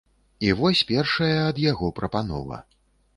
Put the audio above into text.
І вось першая ад яго прапанова.